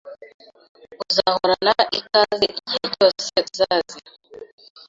Uzahorana ikaze igihe cyose uzazira